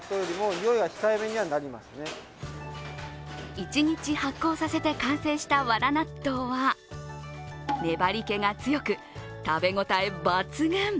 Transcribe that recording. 一日発酵させて完成したわら納豆は粘り気が強く食べ応え抜群。